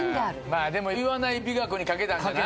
まあでも言わない美学にかけたんじゃない？